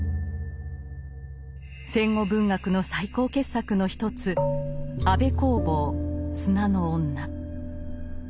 戦後文学の最高傑作の一つ安部公房「砂の女」。